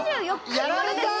やられた！